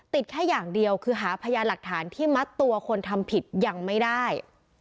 ติดแค่อย่างเดียวคือหาพยานหลักฐานที่มัดตัวคนทำผิดยังไม่ได้